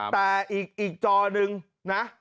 แต่อีกจอหนึ่งนะ